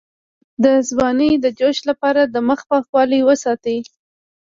د ځوانۍ د جوش لپاره د مخ پاکوالی وساتئ